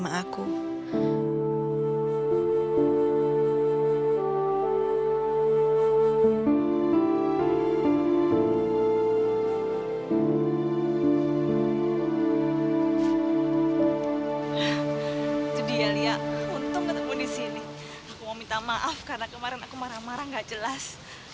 aku minta maaf karena kemarin aku marah marah gak jelas